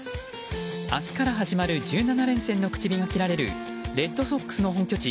明日から始まる１７連戦の口火が切られるレッドソックスの本拠地